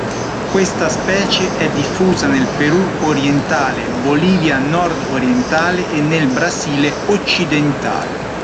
Questa specie è diffusa nel Perù orientale, Bolivia nord-orientale e nel Brasile occidentale.